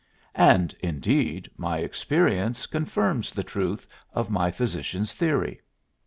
And, indeed, my experience confirms the truth of my physician's theory.